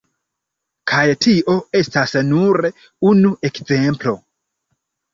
Kaj tio estas nur unu ekzemplo.